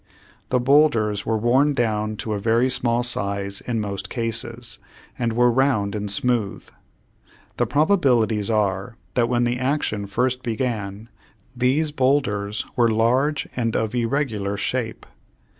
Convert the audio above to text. The bowlders were worn down to a very small size in most cases, and were round and smooth. The probabilities are that when the action first began these bowlders were large and of irregular shape.